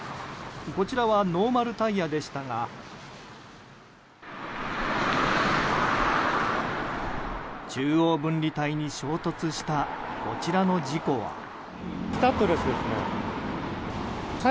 こちらはノーマルタイヤでしたが中央分離帯に追突したこちらの事故は。